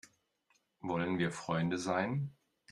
Wollen wir Freunde sein?